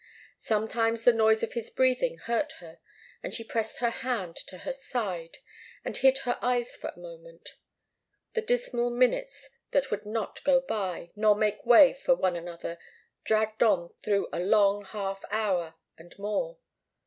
Sometimes the noise of his breathing hurt her, and she pressed her hand to her side, and hid her eyes for a moment. The dismal minutes that would not go by, nor make way for one another, dragged on through a long half hour, and more.